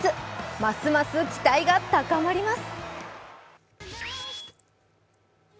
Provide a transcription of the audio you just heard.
ますます期待が高まります。